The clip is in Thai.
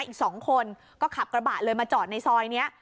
อีก๒คนก็ขับกระบะเลยมาจอดในซอยนี้